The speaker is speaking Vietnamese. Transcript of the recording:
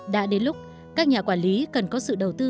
đã đến lúc các nhà quản lý cần có sự đầu tư